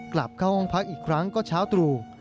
กลับเข้าห้องพักอีกครั้งก็เช้าตรู่